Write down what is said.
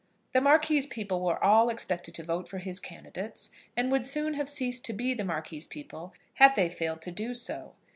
The Marquis's people were all expected to vote for his candidates, and would soon have ceased to be the Marquis's people had they failed to do so.